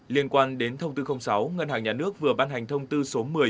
liên quan đến thông tư sáu ngân hàng nhà nước vừa ban hành thông tư số một mươi